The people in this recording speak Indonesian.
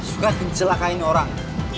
suka kecelakaan orang